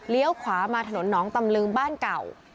เลี้ยวขวามาถนนนตำรึงบ้านเก่า